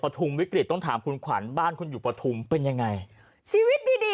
ทุมวิกฤตต้องถามคุณขวัญบ้านคุณอยู่ปฐุมเป็นยังไงชีวิตดีดี